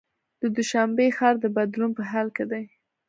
د دوشنبې ښار د بدلون په حال کې دی.